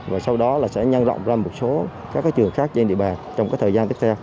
và sau đó là sẽ nhân rộng ra một số các trường khác trên địa bàn trong thời gian tiếp theo